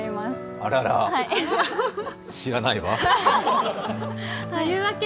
あらら、知らないわ。